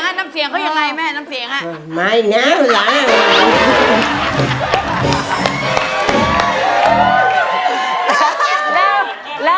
น้ำเสียงอะรู้ยังไงแม่